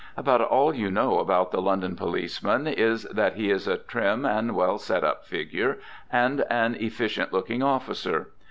About all you know about the London policeman is that he is a trim and well set up figure and an efficient looking officer.